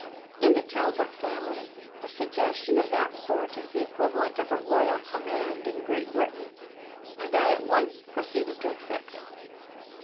In the Talbert family a suggestion of that sort is the equivalent of a royal command in Great Britain, and I at once proceeded to accept it.